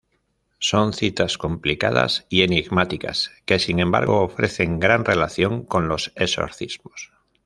Son citas complicadas y enigmáticas, que sin embargo ofrecen gran relación con los exorcismos.